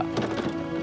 ini mobil tahanan